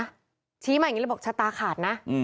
ชี้ให้มาอย่างงี้แล้วบอกชะตากหาดนะ